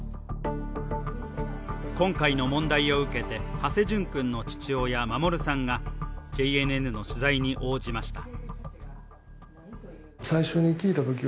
今回の問題を受けて土師淳君の父親・守さんがＪＮＮの取材に応じました。